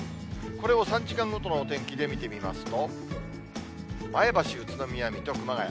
これを３時間ごとのお天気で見てみますと、前橋、宇都宮、水戸、熊谷。